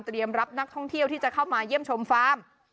รับนักท่องเที่ยวที่จะเข้ามาเยี่ยมชมฟาร์ม